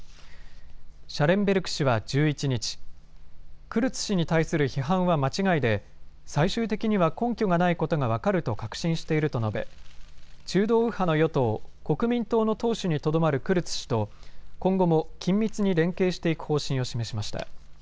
シャレンベルク氏は１１日、クルツ氏に対する批判は間違いで最終的には根拠がないことが分かると確信していると述べ中道右派の与党、国民党の党首にとどまるクルツ氏と今後も緊密に連携していく方針を示しました。